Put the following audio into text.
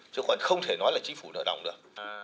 chứ còn không thể nói là chính phủ nở động được